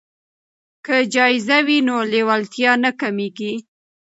که جایزه وي نو لیوالتیا نه کمیږي.